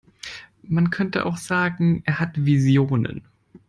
Man könnte auch sagen, er hat Visionen.